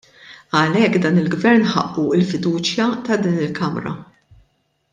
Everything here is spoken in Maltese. Għalhekk dan il-Gvern ħaqqu l-fiduċja ta' din il-Kamra.